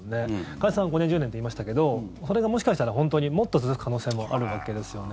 加谷さん５年、１０年といいましたがそれがもしかしたら本当にもっと続く可能性もあるわけですよね。